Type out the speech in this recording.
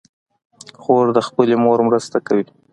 خور د خپلې مور مرسته کوي.